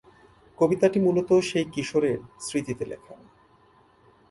কবিতাটি মূলত সেই কিশোরের স্মৃতিতে লেখা।